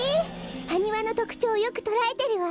ハニワのとくちょうよくとらえてるわ。